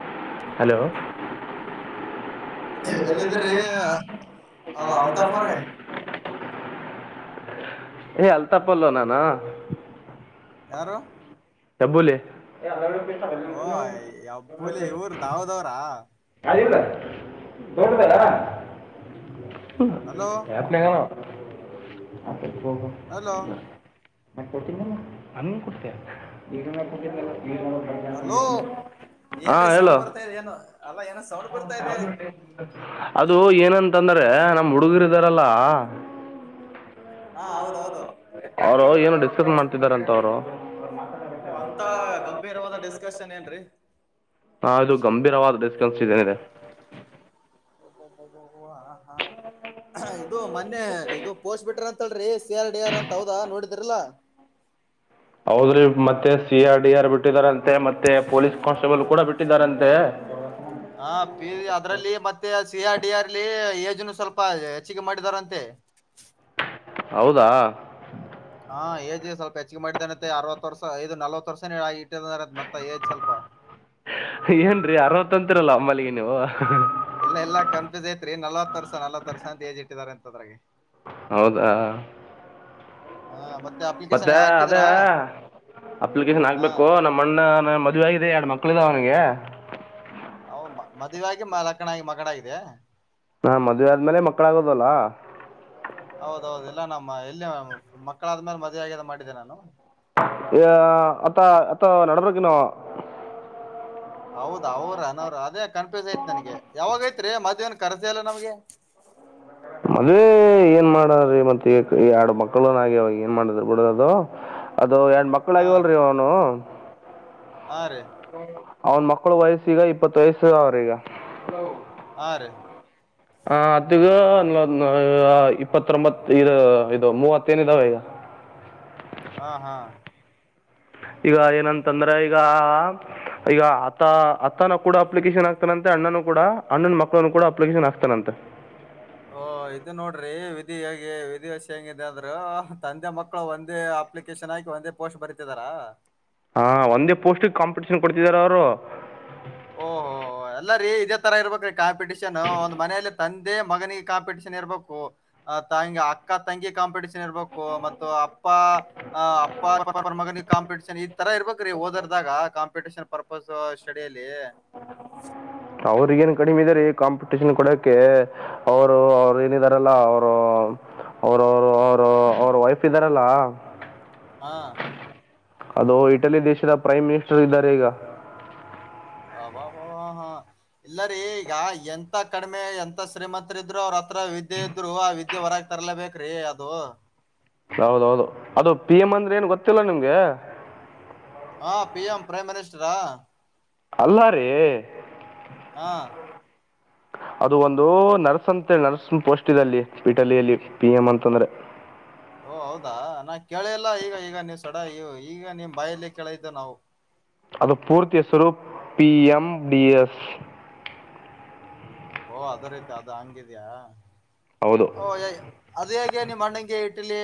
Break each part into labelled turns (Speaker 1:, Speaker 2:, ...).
Speaker 1: ಹ ಹಲೋ
Speaker 2: ಎಲ್ಲಿದ್ರಿ ಅ ಅಲ್ತಾಫ್ ಅವ್ರೆ
Speaker 1: ಅಲ್ತಾ ಪಡ್ಲ ನ ನ
Speaker 2: ಯಾರು
Speaker 1: ತಬ್ಬುಲೆ
Speaker 2: ಓ ಅಬ್ಬೂಲಿ ಇವ್ರ ದಾವದವ್ರಾ
Speaker 1: ಅಲ್ಲ ದೊಡ್ಡದ ಹ
Speaker 2: ಹಲೋ
Speaker 1: ಪ್ನೆಣ ಹ
Speaker 2: ಹಲೋ
Speaker 1: ಮತ್ತೆ ಕೊಡ್ತೀನಲ್ಲ ಅಂಗ ಕು ಕೊಡ್ತ ಈ ಕೊಟ್ಟ
Speaker 2: ಅಲೋ
Speaker 1: ಹಾಂ
Speaker 2: ಏನ್ೀ ಸೌಂಡ್
Speaker 1: ಹೇಳು
Speaker 2: ಬರ್ತಾ ಏನು ಅಲ್ಲ ಏನ ಸೌಂಡ್ ಬರ್ತಾ ಇದೆ
Speaker 1: ಅಂದ್ರೆ ನಮ್ಮ್ ಹುಡುಗರ್ದಾರಲ್ಲ
Speaker 2: ಹಾ ಹೌದೌದು
Speaker 1: ಏನು ಡಿಸ್ಕಸ್ ಮಾಡ್ತಿದಿದ್ದಾರೆಂತ ಅವರು
Speaker 2: ಓ ಅಂತ ಗಂಭೀರವಾದ ಡಿಸ್ಕಷನ್ ಏನ್ರೀ
Speaker 1: ಹಾ ಇದು ಗಂಭೀರ ಅವಾದ ರ ಕಲ್ಸಿದ್ದೇನೆರ
Speaker 2: ಹ ಓ ಹ ಹಾ ಇದು ಮೊನ್ನೆ ಇದು ಪೋಷ ಬಿಟ್ರ ಅಂತಲ್ರಿ ಸಿ ಆರ್ ಡಿ ಆರ್ ಅಂತ ಹೌದಾ ನೋಡಿದ್ರಲ್ಲಾ
Speaker 1: ಹೌದ್ರಿ ಮತ್ತೆ ಸಿ ಆರ್ ಡಿ ಆರ್ ಬಿಟ್ಟಿದಾರಂತೆ ಮತ್ತೆ ಪೊಲೀಸ್ ಕಾನ್ಸ್ಟೇಬಲ್ ಕೂಡ ಬಿಟ್ಟಿದ್ದಾರಂತೆ
Speaker 2: ಹ ಪಿ ಅದರಲ್ಲಿ ಮತ್ತೆ ಸಿ ಆ ಡಿ ಆರ್ಲಿ ಸ್ವಲ್ಪ ಹೆಚ್ಚಿಗೆ ಮಾಡಿದಾರಂತೆ
Speaker 1: ಹೌದಾ
Speaker 2: ಹಾಂಏಜ್ ಸ್ವಲ್ಪ ಹೆಚ್ಚಿಗೆ ಮಾಡಿದೇತೆ ಅರವತ್ತು ವರ್ಷ ಐದು ನಲ್ವತ್ತು ವರ್ಷ ಮತ್ತ ಏದ್ ಸ್ವಲ್ಪ
Speaker 1: ಅಂಬಲ್ಲಿಗೆ ನೀವು
Speaker 2: ಎಲ್ಲ ಎಲ್ಲ ಕನ್ಫ್ಯೂಸ್ ಐತ್ರಿ ನಲ್ವತ್ ವರ್ಷ ನಲ್ವತ್ ವರ್ಷ ಅಂತ ಏಜ್ ಇಟ್ಟಿದಿದ್ದಾರೆ ಅಂತ ಅದ್ರೆ
Speaker 1: ಹೌದಾ
Speaker 2: ಹಾ ಮತ್ತ
Speaker 1: ಮತ್ತೆ ಅದೇ ಅಪ್ಲಿಕೇಶನ್
Speaker 2: ಹ
Speaker 1: ಹಾಕ್ಬೇಕು ನಮ್ಮ ಅಣ್ಣ ಮದುವೆ ಆಗಿದೆ್ಮ ಳಿದ ಅವನಿಗೆ
Speaker 2: ಹ ಮದುವಗ ಮ ಲಕ್ಕಣಾಗಿ ಮಗಡ ಆಗಾಗಿದೆ
Speaker 1: ಹಾ ಮದುವವೆ ಆದ್ಮೇಲೆ ಮಕ್ಕಳ ಆಾಗದಲ್ಲ
Speaker 2: ಹೌದೌದು ಇಲ್ಲ ನಮ್ಮ ಎಲ್ಲಿ ಮಕ್ಕಳಾದ್ಮೇಲೆ ಮದುವ ಆಗ ಅ ಮಾಡಿದ್ದಿದೆ ನಾನು
Speaker 1: ಹ ಅತ್ತ ಅತ್ತ ನರಕನ
Speaker 2: ಹೌದ ಅವ್ರ ಅನೋರ ಅದೇ ಕನ್ಫ್ಯೂಸ್ ಯ್ತು ನನ್ಗೆ ಯಾವಾಗಯ್ತ ಮದನ್ ಕರ್ಸ ಅಲ್ಲ ನಮ್ಗೆ
Speaker 1: ಅದೇ ಏನ್ ಮಾಡದ್ರಿ ಮತ್ತ ಎರಡು ಮಕ್ಕಳುನ್ ಆಗ್ಯ ಅವವಾಗ ಏನ್ ಮಾಡಿದ್ರ ಬಿಡ ಅದು ಅದ ಅದು ಎರಡು ಮಕ್ಕಳ
Speaker 2: ಹ
Speaker 1: ಆಗವಲ್ರೀ ಅವನು
Speaker 2: ಹಾ ರೀ
Speaker 1: ಅವನ್ ಮಕ್ಕಳ ವಯಸ್ಸೀಗ ಇಪ್ಪತ್ ವಯಸ್ಸ ಅವ್ರಿಗ
Speaker 2: ಆ
Speaker 1: ಹ ಅತ್ಗ ಇಪ್ಪತ್ತೊಂಬತ್ ಇ ಇದು ಮೂವತ್ತ ಏನ್ ಇದಾವೆ ಈಗ
Speaker 2: ಹ ಹಾ
Speaker 1: ಈಗ ಏನಂತಂದ್ರೆ ಈಗ ಈಗ ಆತ ಅತನ ಕೂಡ ಅಪ್ಲಿಕೇಶನ್ ಆಕ್ತಾನಂತೆ ಅಣ್ಣನು ಕೂಡ ಅಣ್ಣನ ಮಕ್ಕಳನು ಕೂಡ ಅಪ್ಲಿಕೇಶನ್ ಹಾಕ್ತಾನಂತೆ
Speaker 2: ಓ ಇದು ನೋಡ್ರಿ ವಿಧಿ ಹೇ ವಿಧಿವ ವಷ ಹೆಂಗಿದೆ ಅಂದ್ರ ತಂದೆ ಮಕ್ಕಳು ಒಂದೇ ಅಪ್ಲಿಕೇಶನ್ ಹಾಕಿ ಒಂದೇ ಪೋಸ್ಟ್ ಬರಿತಿದಾರ
Speaker 1: ಹಾ ಒಂದೇ ಪೋಸ್ಟಕ್ ಕಾಂಪಿಟೇಷನ್ ಕೊಡ್ತಿದಾರ ಅವರು
Speaker 2: ಓಹೋ ಎಲ್ಲ ರೀ ಇದೇ ತರ ಇರ್ಬೇಕ್ರೀ ಕಾಂಪಿಟೀಷನ್ ಒಂದ್ ಮನೆಯಲ್ಲಿ ತಂದೆ ಮಗನಿಗೆ ಕಾಂಪಿಟಷನ್ ಇರ್ಬೇಕು್ ತಂಗ ಅಕ್ಕ ತಂಗಿ ಕಾಂಪಿಟಷನ್ ಇರ್ಬೇಕು ಮತ್ತು ಅಪ್ಪ ಆ ಅಪ್ಪ ಮಗನಿಗೆ ಕಾಂಪಿಟೇಷನ್ ಈ ತರ ಇರ್ಬೇಕರಿ ಓದರ್ದಾಗ ಕಾಂಪಿಟೇಷನ್ ಪರ್ಪಸ್ ಸ್ಟಡಿಯಲ್ಲಿ ಎ
Speaker 1: ಅವ್ರಗಏನ್ ಕಡಿಮೆ ಇದಾರೀ ಕಾಂಪಿಟಷನ್ ಕೊಡಕ ಅವರು ಅವರು ಏನಿದಾರಲ್ಲ ಅವರು ಅವ್ರ ಅವರು ಅವರು ಅವ್ರ ವೈಫ್ ಇದ್ದಾರಲ್ಲ
Speaker 2: ಹಾ
Speaker 1: ಹಲೋ ಇಟಲಿ ದೇಶದ ಪ್ರೈಮ್ ಮಿನಿಸ್ಟರ್ ಇದ್ದಾರೆ ಈಗ
Speaker 2: ಅವಬಬ ಹ ಇಲ್ಲರೀ ಈಗ ಎಂತ ಕಡಿಮೆ ಎಂತ ಶ್ರೀಮಂತರ ಇದ್ರು ಅವ್ರತ್ರ ವಿದ್ಯೆ ಇದ್ರು ಆ ವಿದ್ಯೆ ಹೊರಗ್ ತರ್ಲೇಬೇಕ್ರಿ ಅದು
Speaker 1: ಹೌದೌದು ಅದು ಪಿ ಎಂ ಅಂದ್ರೆ ಏನ್ ಗೊತ್ತಿಲ್ಲ ನಿಮ್ಗೆ
Speaker 2: ಹಾ ಪಿ ಎಂ ಪ್ರೈಮ್ ಮಿನಿಸ್ಟರಾ
Speaker 1: ಅಲ್ಲಾರೀ
Speaker 2: ಹಾ
Speaker 1: ಅದು ಒಂದು ನರ್ಸ್ ಅಂತ ನರ್ಸ್ ಪೋಸ್ಟ್ ಇದೆಲ್ಲಿ ಇಟಲಿಯಲ್ಲಿ ಪಿ ಎಂ ಅಂತಂದ್ರೆ
Speaker 2: ಓ ಹೌದಾ ನಾ ಕೇಳಿಲ್ಲ ಈಗ ಈಗ ನೀವು ಸಡ ಈಗ ನಿಮ್ ಬಾಯಲ್ಲಿ ಕೇಳಿದ್ದ ನಾವು
Speaker 1: ಅದು ಪೂರ್ತಿಯ Swaroop P M D S
Speaker 2: ಓಹ ಅದ ರೈತಿ ಅದು ಹಂಗಿದ್ಯಾ
Speaker 1: ಹೌದು
Speaker 2: ಓ ಏ- ಅದು ಹೇಗೆ ನಿಮ್ಮ ಅಣ್ಣಗೆ ಇಟಲಿ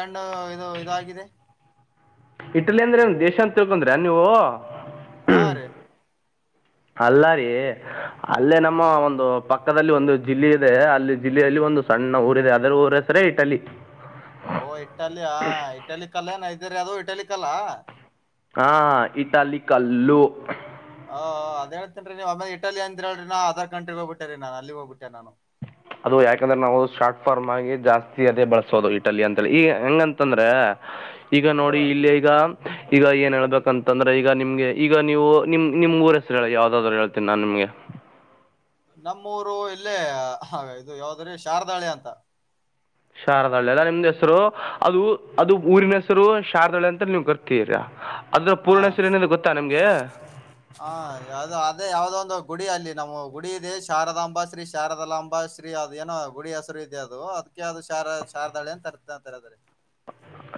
Speaker 2: ಹಣ್ಣು ಇದು ಇದಾಗಿದೆ
Speaker 1: ಇಟಲಿ ಅಂದ್ರೆ ದೇಶ ಅಂತ ತಿಳ್ಕೊಂಡ್ರ ನೀವು
Speaker 2: ಹಾ ರೀ
Speaker 1: ಅಲ್ಲಾರಿ ಅಲ್ಲೇ ನಮ್ಮ ಒಂದು ಪಕ್ಕದಲ್ಲಿ ಒಂದು ಜಿಲ್ಲೆ ಇದೆ ಅಲ್ಲಿ ಜಿಲ್ಲೆಯಲ್ಲಿ ಒಂದು ಸಣ್ಣ ಊರ ಇದೆ ಅದರ ಊರ ಹೆಸರ ಇಟಲ್ಲಿ
Speaker 2: ಕಲ್ಯಾಣ ಇದ್ದೀರಿ ಅದು ಇಟಲಿಕ್ ಅಲ್ಲಾ
Speaker 1: ಹಾ ಇಟಲಿ ಕಲ್ಲು
Speaker 2: ಹ ಅದ ಹೇಳ್ತೇನ್ ರೀ ನೀವು ಇಟಲಿ ಅಂದಿರೀ ಹೇಳಿ ನ ಅದರ್ ಕಂಟ್ರಿಗೆ ಹೋಗ್ಬಿಟ್ಟ ರ ನನ್ ಅಲ್ಲಿ ಹೋಗಬಿಟ್ಟೆ ನಾನು
Speaker 1: ಅದು ಯಾಕಂದ್ರೆ ನಾವು ಶಾರ್ಟ್ ಫಾರ್ಮ್ ಆಗಿ ಜಾಸ್ತಿ ಅದೇ ಬಳಸೋದು ಇಟಲಿ ಅಂತಿ ಈಗ ಹೆಂಗಂತಂದ್ರೆ ಈಗ ನೋಡಿ ಇಲ್ಲಿ ಈಗ ಈಗ ಏನ್ ಹೇಳ್ಬೇಕಂತಂದ್ರೆ ಈಗ ನಿಮ್ಗೆ ಈಗ ನೀವು ನಿಮ ನಿಮ್ ಊರ ಹೆಸರು ಹೇಳ ಯಾವ್ದಾದ್ರು ಹೇಳ್ತನಿ ನಾನ್ ನಿಮ್ಗೆ
Speaker 2: ನಮ್ಮೂರು ಇಲ್ಲೇ ಇದು ಯಾವದ್ರಿ ಶಾರದಾಳಿ ಅಂತ
Speaker 1: ಶಾರದಾಳ್ಳಿ ಎಲ್ಲ ನಿಮ್ದ್ ಹೆಸರು ಅದು ಅದು ಊರಿನ ಹೆಸರು ಶಾರದಾಳ್ಳಿ ಅಂತ ನೀವ್ ಕರ್ತೀರಾ
Speaker 2: ಹಾ ಹಾ ಯಾವ್ದೋ ಅದೇ ಯಾವ್ದ ಒಂದು ಗುಡಿ ಅಲ್ಲಿ ನಮ್ಮ ಗುಡಿ ಇದೆ ಶಾರದಾಂಬ ಶ್ರೀ ಶಾರದಳಾಂಬ ಶ್ರೀ ಅದ ಏನೋ ಗುಡಿ ಹೆಸರು ಇದೆ ಅದು ಅದಕ್ಕೆ ಅದು ಶಾರ ಶಾರದಾಳಿ ಅಂತ ಕರ್ತ [unintelligible]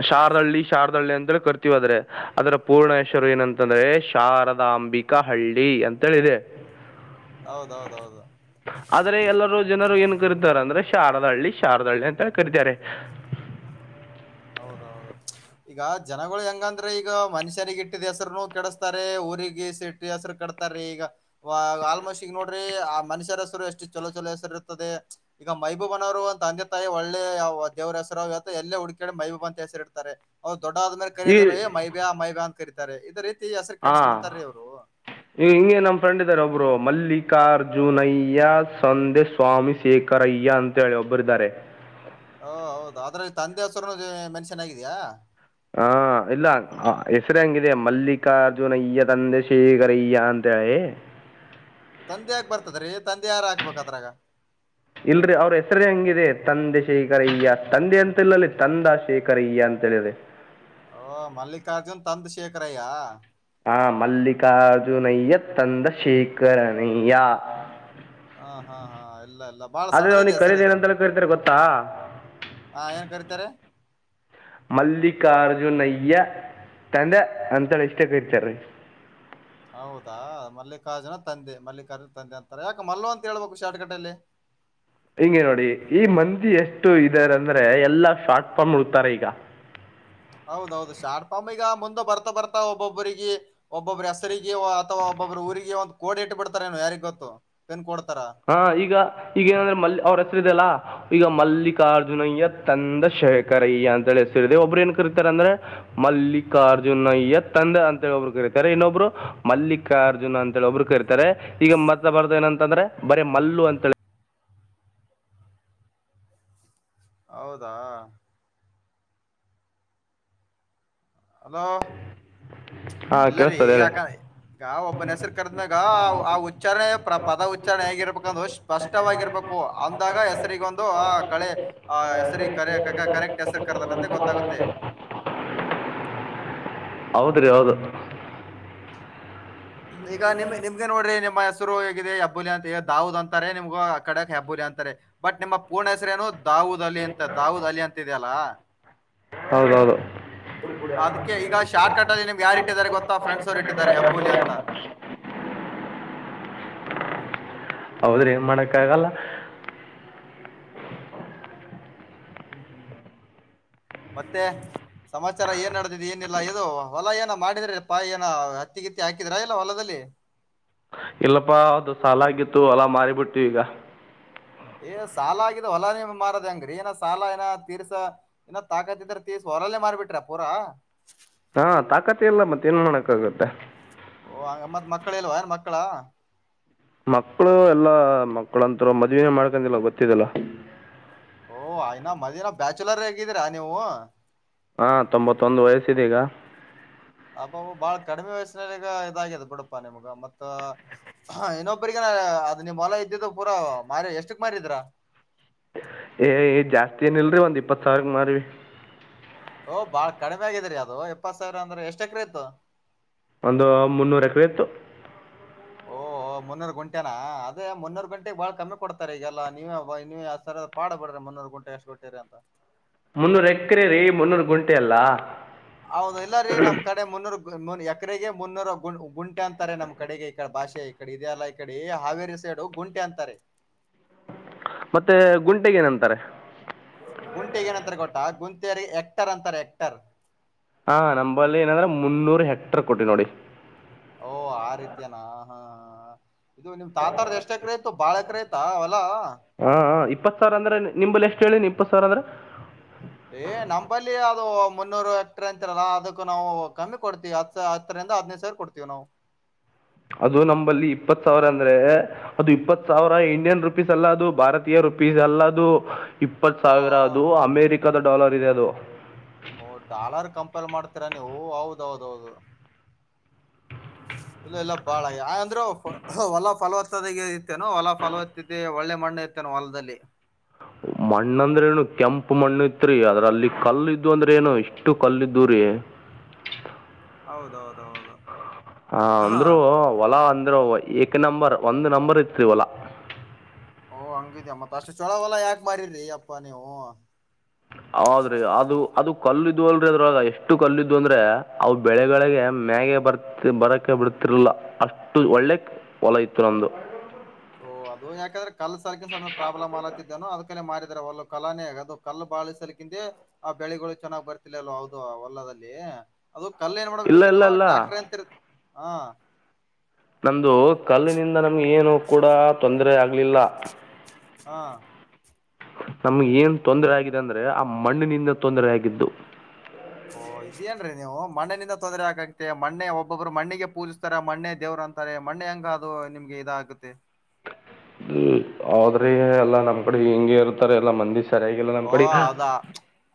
Speaker 1: ಶಾರದಹಳ್ಳಿ ಶಾರದಹಳ್ಳಿ ಅಂತೇಳಿ ಕರ್ತೀವಿ ಅದ್ರೆ ಅದರ ಪೂರ್ಣ ಹೆಸರು ಏನಂತಂದ್ರೆ ಶಾರದಾಂಬಿಕ ಹಳ್ಳಿ ಅಂತೇಳಿದೆ
Speaker 2: ಹೌದೌದೌದು
Speaker 1: ಆದ್ರೆ ಎಲ್ಲರೂ ಜನರು ಏನ್ ಕರೀತಾರ ಅಂದ್ರೆ ಶಾರದಾ ಹಳ್ಳಿ ಶಾರದಾಹಳ್ಳಿ ಅಂತ ಕರೀತಾರೆ
Speaker 2: ಹೌದೌದು ಈಗ ಜನಗಳು ಹೆಂಗಂದ್ರೆ ಈಗ ಮನುಷ್ಯರಿಗ ಇಟ್ಟಿದ ಹೆಸರುನು ಕೆಡಿಸಸ್ತಾರೆ ಊರಿಗೆಟ್ಟ ಹೆಸರು ಕೆಡತಾರೀ ಈಗ ಆಲ್ಮೋಸ್ಟ್ ಈಗ ನೋಡ್ರಿ ಆ ಮನುಷ್ಯರ ಹೆಸರು ಎಷ್ಟು ಚೊಲೋ ಚಲೋ ಹೆಸರು ಇರ್ತದೆ ಈಗ ಮೈಬೂಬನವರು ಒಂದ ತಂದೆ ತಾಯಿ ಒಳ್ಳೆ ದೇವ್ರ ಹೆಸರು ಎಲ್ಲೇ ಹುಡುಕ ಡೆ ಮೈಬ ಅಂತ ಹೆಸರಿ ಇಡ್ತಾರೆ ದೊಡ್ಡಾದ ಆದೇ
Speaker 1: ಈ
Speaker 2: ಕರೆಯದೇನು ಮೈಬ್ಯಾ ಮೈಬ್ಯಾ ಅಂತ ಕರೀತಾರೆ ಇದರೀ
Speaker 1: ಹಾ ಈ ಹಿಂಗೆ ನಮ್ ಫ್ರೆಂಡ್ ಇದ್ದಾರೆ ಒಬ್ರು ಮಲ್ಲಿಕ್ ಚಲ್ಲಿಕಾರ್ಜುನಯ್ಯ ಸಂಧೆ ಸ್ವಾಮಿ ಶೇಖರಯ್ಯ ಅಂತ ಹೇಳಿ ಒಬ್ಬರಿದ್ದಾರೆ
Speaker 2: ಓ ಹೌದ ಆದ್ರೆ ತಂದೆ ಹಸರನು ಮೆನ್ಷನ್ ಆಗಿದಯಾ
Speaker 1: ಹಾ ಇಲ್ಲ ಹೆಸರು ಹಂಗಿದೆ ಮಲ್ಲಿಕಾರ್ಜುನಯ್ಯ ತಂದೆ ಶೇಖರ ಅಯ್ಯ ಅಂತೇಳಿ
Speaker 2: ತಂದೆ ಆಗ್ ಬರ್ತದ್ರಿ ತಂದೆ ಯಾರ ಹಾಕ್ಬೇಕದ್ರಾಗ
Speaker 1: ಇಲ್ರಿ ಅವ್ರ ಹೆಸರೇ ಹಂಗಿದೆ ತಂದೆ ಶೇಖರಯ್ಯ ತಂದೆ ಅಂತಿಲ್ಲಲ್ಲಿ ತಂದಾ ಶೇಖರಯ್ಯ ಅಂತ ಹೇಳಿದೆ
Speaker 2: ಓ ಮಲ್ಲಿಕಾರ್ಜುನ್ ತಂದಶೇಖರಯಾ
Speaker 1: ಹಾ ಮಲ್ಲಿಕಾರ್ಜುನಯ್ಯ ತಂದಶೇಖರಣಯ್ಯ
Speaker 2: ಹಾ ಹಾ ಹಾ ಇಲ್ಲ ಇಲ್ಲ ಬಾಳ ಸಣ್ಣದಿದೆ
Speaker 1: ಅವ್ನಿಗೆ
Speaker 2: ಹೆಸರ
Speaker 1: ಕರಿಯೋದು
Speaker 2: ಇದು
Speaker 1: ಏನಂತೇಳಿ ಕರಿತಾರೆ ಗೊತ್ತಾ
Speaker 2: ಹ ಏನ್ ಕರಿತಾರೆ
Speaker 1: ಮಲ್ಲಿಕಾರ್ಜುನ ಅಯ್ಯ ತಂದೆ ಅಂತ ಇಷ್ಟಕ್ಕತಾರೀ
Speaker 2: ಹೌದಾ ಮಲ್ಲಿಕಾರ್ಜುನ ತಂದೆ ಮಲ್ಲಿಕಾರ್ಜುನ ತಂದೆ ಅಂತಾರೆ ಯಾಕ ಮಲ್ಲು ಅಂತ ಹೇಳ್ಬೇಕು ಶಾರ್ಟ್ಕಟೆಯಲ್ಲಿ
Speaker 1: ಹಿಂಗಗೆ ನೋಡಿ ಈ ಮಂದಿ ಎಷ್ಟು ಇದಾರಂದ್ರೆ ಎಲ್ಲಾ ಶಾರ್ಟ್ಫಾರ್ಮ್ ಉಡಕ್ತಾರೆ ಈಗ
Speaker 2: ಹೌದೌದು ಶಾರ್ಟ್ ಫಾರ್ಮ್ ಈಗ ಮುಂದ ಬರ್ತಾ ಬರ್ತಾ ಒಬ್ಬೊಬ್ಬ್ರಿಗೆ ಒಬ್ಬೊಬ್ಬ್ರ ಹೆಸರಿಗೆ ಅಥವಾ ಒಬ್ಬೊಬ್್ರ ಊರಿಗೆ ಒಂದ್ ಕೋಡಿ ಇಟ್ಟು ಬಿಡ್ತಾರೇ ಯಾರಿಗ್ ಗೊತ್ತು ಪಿನ್ ಕೊಡ್
Speaker 1: ಹಾ ಈಗ ಈಗ ಏನಂದ್ರೆ ಮಲ್ ಅವ್ರ ಹೆಸರುದೆಲ್ಲ ಈಗ ಮಲ್ಲಿಕಾರ್ಜುನಯ್ಯ ತಂದ ಶೇಖರಯ್ಯ ಅಂತ ಹೇಳಿ ಹೇಳ ಒಬ್ಬರು ಏನ್ ಕರೀತಾರೆ ಅಂದ್ರೆ ಮಲ್ಲಿಕಾರ್ಜುನಯ್ಯ ತಂದೆ ಅಂತ ಹೇಳ ಒಬ್ರು ಕರೀತಾರೆ ಇನ್ನೊಬ್ರು ಮಲ್ಲಿಕಾರ್ಜುನ ಅಂತ ಹೇಳಿ ಒಬ್ರು ಕರೀತಾರೆ ಈಗ ಮತ್ತ ಬಾರ್ದ ಏನಂತಂದ್ರೆ ಬರೇ ಮಲ್ಲು ಅಂತೇಳಿ
Speaker 2: ಹೌದಾ ಅದ
Speaker 1: ಹಾಂ
Speaker 2: ಇಲ್ಲರೀ
Speaker 1: ಕೇಳಿಸ್ತದೆ ಹೇಳಿ
Speaker 2: ಯಾಕ ಈಗ ಒಬ್ಬನ ಹೆಸರು ಕರೆದ್ಮ್ಯಾಗ ಆ ಉಚ್ಚಾರಣೆ ಪದ ಉಚ್ಚಾರಣೆ ಹೇಗಿರ್ಬೇಕಂದು ಸ್ಪಷ್ಟವಾಗಿರ್ಬೇಕು ಅಂದಾಗ ಹೆಸರಿಗೊಂದು ಆ ಕಳೆ ಆ ಹೆಸರಿ ಕರೆ ಕರೆಕ್ಟ್ ಹೆಸರು ಕರ್ದನಂತೆ ಗೊತ್ತಾಗುತ್ತೆ
Speaker 1: ಹೌದ್ರಿ ಹೌದು ಹ
Speaker 2: ಈಗ ನಿಮ್ ನಿಮ್ಗೆ ನೋಡ್ರಿ ನಿಮ್ಮ ಹೆಸರು ಹೇಗಿದೆ ಹೆಬ್ಬುಲಿ ಅಂತ ದಾವದ್ ಅಂತಾರೆ ನಿಮ್ಗು ಆ ಕಡೆಕ್ ಹೆಬ್ಬುಲಿ ಅಂತಾರೆ ಬಟ್ ನಿಮ್ಮ್ ಪೂರ್ಣ ಹೆಸರೇನು ದಾವೂದಲಿ ಅಂತ ದಾವೂದ್ ಅಲಿ ಅಂತ ಇದೆಯಲ್ಲಾ
Speaker 1: ಹೌದೌದು ಕುಡ
Speaker 2: ಅದಕ್ಕೆ ಈಗ ಶಾರ್ಟ್ ಕಟ್ ಅಲ್ಲಿ ನಿಮ್ಗೆ ಯಾರು ಇಟ್ಟಿದ್ದಾರೆ ಗೊತ್ತಾ ಫ್ರೆಂಡ್ಸ್ ಅವ್ರು ಇಟ್ಟಿದ್ದಾರೆ ಹೆಬ್ಬುಲಿ ಅಂತ
Speaker 1: [inaudible] ಹೌದ್ರಿ ಏನ್ಮಾಡಕ್ಕಗಲ್ಲ
Speaker 2: - ಮತ್ತೆ ಸಮಾಚಾರ ಏನ್ಡದಿದೆ ಏನಿಲ್ಲ ಇದು ಹೊಲ ಏನ ಮಾಡಿದ್ರೆ ಪಾಯ ಏನ ಹತ್ತಿಗಿತ್ತಿ ಹಾಕಿದ್ರಾ ಇಲ್ಲ ಹೊಲದಲ್ಲಿ
Speaker 1: ಇಲ್ಲಪ್ಪಾ ಅದು ಸಾಲ ಆಗಿತ್ತುಲ್ಲಾ ಮಾರಿ ಬಿಟ್ಟಿವ ಈಗ
Speaker 2: ಏ ಸಾಲ ಆಗಿದ ಹೊಲಾನೇ ಮಾರದ ಹೆಂಗ್ಗ್ರಿ ಏನ ಸಾಲ ಏನ ತೀರ್ಸ ಏ ತಾಕತ್ತಿದ್ರ ತೀರ್ಸ ಹೊಲಾನೇ ಮಾರ್ಬಿಟ್ರ ಪೂರಾ
Speaker 1: ಹಾ ತಾಕತಿ ಎಲ್ಲ ಮತ್ತೆ ನ್ ಮಾಡೋಕ್ಕ ಆಗತ್ತೆ
Speaker 2: ಓ ಅಂಗ ಮ್ಮತ್ ಮಕ್ಳ್ ಎಲ್ಲವಾ ಮಕ್ಳ್
Speaker 1: ಮಕ್ಕಳು ಎಲ್ಲಾ ಮಕ್ಕಳಂತರು ಮದುವೆನೇ ಮಾಡ್ಕೊಂಡಿಲ್ಲ ಗೊತ್ತಿದಲ್ಲ
Speaker 2: ಓಹ ಯನಾ ಮದುವೆನೇ ಬ್ಯಾಚುಲರ್ ಆಗಿದೀರಾ ನೀವು
Speaker 1: ಹಾ ತೊಂಬತ್ತೊಂದು ವಯಸ್ಸುದ್ದೆಗ
Speaker 2: ಅಬಾ ಬಾಳ ಕಡಿಮೆ ವಯಸ್ಸಿನಲ್ಲಿಗ ಇದಾಗ್ಯದ ಬಿುಡಪ್ಪ ನಿಮ್ಗ ಮತ್ತ ಇನ್ನೊಬ್ಬ್ರಗನ ಅದ್ ನಿಮ್ ಹೊಲ ಇದ್ದಿದ್ದು ಪೂರಾ ಮಾರ ಎಷ್ಟಕ್ ಮಾರಿದ್ರ
Speaker 1: ಏ ಈ ಜಾಸ್ತಿ ಏನ ಇಲ್ರಿ ಒಂದ್ ಇಪ್ಪತ್ ಸಾವಿರ ಮಾರವಿ
Speaker 2: ಓ ಬಾಳ ಕಡಿಮೆ ಆಗಿದ್ರರಿ ಅದು ಎಪ್ಪತ್ ಸಾವಿರ ಅಂದ್ರೆ ಎಷ್ಟ ಎಕ್ರೆ ಇತ್ತು
Speaker 1: ಒಂದು ಮುನ್ನೂರ ಎಕ್ಕ್ರೆ ಇತ್ತು
Speaker 2: ಓಹ ಮುನ್ನೂರು ಗುಂಟೆನ ಅದೇ ಮುನ್ನೂರು ಗುಂಟೆಗೆಗ್ ಬಾಳ್ ಕಮ್ಮಿ ಕೊಡ್ತಾರೆ ಈಗೆಲ್ಲಾ ನೀವ ನೀವ ಸರ ಪಾಡ್ ಬಿಡ್ರಿ ಮುನ್ನೂರು ಗುಂಟೆ ಎಷ್ಟು ಕೊಟ್ಟಿರಿ ಅಂತ
Speaker 1: ಮುನ್ನೂರ ಎಕರೆ ರೀ ಮುನ್ನೂರ್ ಕುಂಟೆಲ್ಲಾ
Speaker 2: ಹೌದು ಇಲ್ಲ ರೀ ನಮ್ ಕಡೆ ಮುನ್ನೂರು ಎಕರೆಗೆ ಮುನ್ನೂರ ಕು ಕುಂಟೆ ಅಂತಾರೆ ನಮ್ಮ್ ಕಡೆಗೆ ಈ ಕಡೆ ಭಾಷೆ ಈ ಕಡೆ ಇದದೆ ಅಲ್ಲಾ ಈ ಕಡೆ ಹಾವೇರಿ ಸೈಡು ಕುಂಟೆ ಅಂತಾರೆ
Speaker 1: ಮತ್ತೆ ಗುಂಟೆಗೆ ಏನಂತಾರೆ
Speaker 2: ಗುಂಟೆೆಗೆ ಏನಂತಾರೆ ಕೊಟಾ ಗುಂಟೆರಿಗೆ ಎಕ್ಟರ್ ಅಂತಾರ ಎಕ್ಟರ್
Speaker 1: ಹಾ ನಂಬಲ್ಲಿ ಏನಂದ್ರೆ ಮುನ್ನೂರು ಹೆಕ್ಟರ್ ಕೊಟ್ಟಿ ನೋಡಿ
Speaker 2: ಓ ಆ ರೀತಿಯನಾ ಹಾ ಹ ಇದು ನಿಮ್ ತಾತಾರದ ಎಷ್ಟ ಕಡೆ ಬಾಳ ಎಕ್ಕಾರೆಯಿತಾ
Speaker 1: ಹಾ ಇಪ್ಪತ್ ಸಾವಿರ ಅಂದ್ರೆ ನನಿಮ್ಮಲ್ಲಿ ಎಷ್ಟು ಕೇಳೀನಿ ಇಪ್ಪತ್ತು ಸಾವರ ಅಂದ್ರೆ
Speaker 2: ಹೇ ನಮ್ಮಲಿ ಅದು ಮುನ್ನೂರು ಎಕ್ಟ್ರ ಅಂತಿರಲ್ಲ ಅದಕ್ಕ ನಾವು ಕಮ್ಮಿ ಕೊಡ್ತೀವಿ ಹತ್ ಹತ್ತರಿಂದ ಹದ್ನೈದು ಸಾವಿರ ಕೊಡ್ತೀವಿ ನಾವು
Speaker 1: ಅದು ನಂಬಲ್ಲಿ ಇಪ್ಪತ್ ಸಾವಿರ ಅಂದ್ರೆ ಅದು ಇಪ್ಪತ್ ಸಾವಿರ ಇಂಡಿಯನ್ ರುಪೀಸ್ಲ್ಲ ಅದು ಭಾರತೀಯ ರುಪೀಸ್ಲ್ಲ ಅದು ಇಪ್ಪತ್
Speaker 2: ಓ
Speaker 1: ಸಾವಿರ ಅದು ಅಮೆರಿಕದ ಡಾಲರ್ ಇದೆ ಅದು
Speaker 2: ಓ ಡಾಲರ್ ಕಂಪೇರ್ ಮಾಡ್ತೀರ ನೀವು ಹೌದ್ದೌದು ಇಲ್ಲ ಎಲ್ಲ ಬಾಳ ಯಾಂದ್ರೆ ಹೊಲ ಫಲವತ್ತದ ಇರ್ತೇನ ಹೊಲ ಫಲವತ್ತದೆ ಒಳ್ಳೆ ಮಣ್ಣು ಇರ್ತೇನೆ ಹೊಲದಲ್ಲಿ
Speaker 1: ಮಣ್ಣ ಅಂದ್ರ ಏನು ಕೆಂಪು ಮಣ್ಣು ಇತ್ರಿ ಅದ್ರಲ್ಲಿ ಕಲ್ಲ ಇದು ಅಂದ್ರೆ ಏನು ಇಷ್ಟು ಕಲ್ಲಿದ್ದ ರಿ
Speaker 2: ಹೌದೌದೌದು
Speaker 1: ಹ
Speaker 2: ಹಾ.
Speaker 1: ಅಂದ್ರು ಹೊಲ ಅಂದ ಎ ನಂಬರ್ ಒಂದು ನಂಬರ್ ಇತ್ರಿವಲ್ಲ
Speaker 2: ಓ ಹಂಗಿದಮ್ಮತ್ ಅಷ್ಟು ಚಛಲವಲ ಯಾಕ್ ಬಾರರಿ ಅಪ್ಪಾ ನೀವು
Speaker 1: ಆದ್ರೆ ಅದು ಅದು ಕಲ್ಲಿದ್ದು ಅಲ್ರ ಅದ್ರಾಗ ಎಷ್ಟು ಕಲ್ಲಿದ್ದು ಅಂದ್ರೆ ಅವು ಬೆಳೆಗಳಿಗೆ ಮ್ಯಾಗ ಬರ್ ಬರಕ ಬಿಡ್ತಿರ್ಲ್ಲ ಅಷ್ಟು ಒಳ್ಳೆ ಹೊಲ ಇತ್ತು ನಮು
Speaker 2: ಓಹ ಅದು ಯಾಕಂದ್ರ ಕಲ್ ಸರ್ಕಿನನ್ ಸಮಯ ಪ್ರಾಬ್ಲಮ್ ಆಲತ್ತಿದ್ದೇನೋ ಅದಕೇ ಮಾರ ಆದ್ರೆ ಒಲ್ಲ ಕಲಾನೇ ಅದು ಕಲ್ಲು ಬಾಳಿಸಲ್ ಕಿಂದೆ ಆ ಬೆಳೆಗಳು ಚೆನ್ನಾಗ್ ಬರ್ತಿಲ ಅಲ್ವ ಹೌದು ಹೊಲ್ಲದಲ್ಲಿ ಅದು ಕಲ್ಲ ಏನ್
Speaker 1: ಇಲ್ಲ
Speaker 2: ಮಾಡ್ಬೇಕಿತ್ತು
Speaker 1: ಇಲ್ಲ
Speaker 2: ನೀವು
Speaker 1: ಇಲ್ಲ
Speaker 2: ಟ್ಯಾಕ್ಟ್ರರ್ ಅಂತತ್ತ ಹಾ
Speaker 1: ನ್ದ ಕಲ್ಲಿನಿಂದ ನ ಏನು ಕೂಡ ತೊಂದರೆ ಆಗ ಲಿಲ್ಲ
Speaker 2: ಹಾ
Speaker 1: ನಮ್ಗೆ ಏನ್ ತೊಂದರೆ ಆಗಿದೆ ಅಂದ್ರೆ ಆ ಮಣ್ಣಿನಿಂದ ತೊಂದರೆ ಆಗಿದ್ದು
Speaker 2: ಓ ಇದೇನ್ರೀ ನೀವು ಮಣ್ಣಿನಿಂದ ತೊಂದರೆ ಆಕಾಗತ್ತೆ ಮಣ್ಣೆ ಒಬ್ಬೊಬ್ರು ಮಣ್ಣಿಗೆ ಪೂಜಿಸ್ತಾರೆ ಮಣ್ಣೆ ದೇವ್ರ ಅಂತಾರೆ ಮಣ್ಣೆ ಹೆಂಗ ಅದು ನಿಮ್ಗೆ ಇದ ಆಗುತ್ತೆ
Speaker 1: ಹ ಹದ್ರೆ ಎಲ್ಲಾ ನಮ್ ಕಡೆ ಹಿಂಗಗೆ ಇರ್ತಾರೆ ಎಲ್ಲಾ ಮಂದಿ ಸರಿಯಾಗಿಲ್ಲ ನಮ್ಮ
Speaker 2: ಓ
Speaker 1: ಕಡೆ
Speaker 2: ಹೌದಾ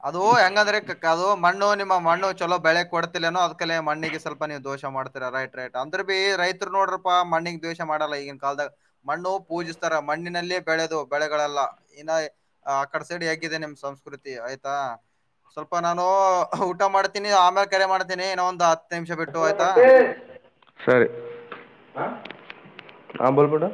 Speaker 2: ಅದು ಹೆಂಗಂದ್ರೆ ಕ ಅದು ಮಣ್ಣು ನಿಮ್ಮ ಮಣ್ಣು ಚಲೋ ಬೆಳೆ ಕೊಡ್ತ ೋ ಅದ್ೇ ಮಣ್ಣಿಗೆ ಸ್ವಲ್ಪ ನೀವು್ ದೋಷ ಮಾಡ್ತರಾ ರೈಟ್ ರೈಟ್ ಅಂದ್ರ ಬಿೀ ರೈತರು ನೋಡ್ರಪ್ಪಾ ಮಣ್ಣಗ್ ದೋಷ ಮಾಡಲ್ಲ ಈಗಿನ ಕಾಲದಾಗ ಮಣ್ಣು ಪೂಜಿಸ್ತಾರ ಮಣ್ಣಿನಲ್ಲೇ ಬೆಳೆದು ಬೆಳೆಗಳೆಲ್ಲ ಇ ಆ ಕ ಸಡಿ ಆಗ ನಿಮ್ಮ ಸಂಸ್ಕೃತಿ ಆಯ್ತಾ ಸ್ವಲ್ಪ ನಾನು ಊಟ ಮಾಡ್ತೀನಿ ಆಮೇಲೆ ಕೆರೆ ಮಾಡ್ತೀನಿ ಇನ್ನೋ ಒಂದು [inaudible] ನಿಮಿಷ ಬಿಟ್ಟು ಆಯ್ತಾ
Speaker 1: ಸರಿ ಆಂಬಲ್ಪಟ